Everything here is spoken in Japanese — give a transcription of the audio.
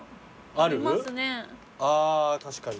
あぁ確かに。